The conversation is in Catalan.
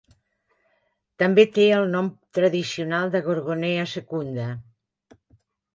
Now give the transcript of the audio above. També té el nom tradicional de Gorgonea Secunda.